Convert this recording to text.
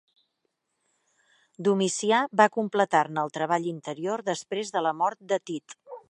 Domicià va completar-ne el treball interior després de la mort de Tit.